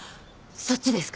そっちですか。